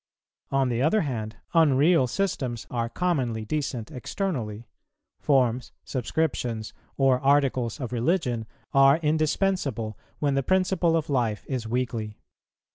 On the other hand, unreal systems are commonly decent externally. Forms, subscriptions, or Articles of religion are indispensable when the principle of life is weakly.